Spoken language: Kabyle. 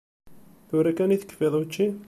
Tura kan i tekfiḍ učči?